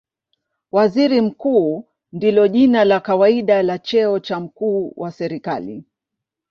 Waziri Mkuu ndilo jina la kawaida la cheo cha mkuu wa serikali.